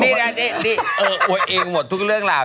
นี่นะนี่เอออวยเองหมดทุกเรื่องราว